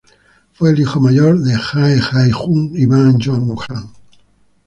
Fue el hijo mayor de Ha Jae-jung y Bak Yeon-hak.